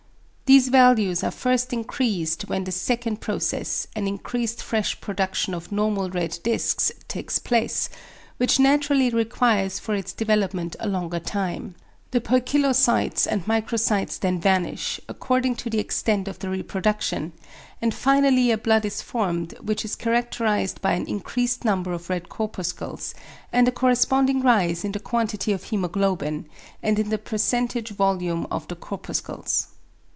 These values are first increased when the second process, an increased fresh production of normal red discs, takes place, which naturally requires for its developement a longer time. The poikilocytes and microcytes then vanish, according to the extent of the reproduction; and finally a blood is formed, which is characterised by an increased number of red corpuscles, and a corresponding rise in the quantity of hæmoglobin, and in the percentage volume of the corpuscles.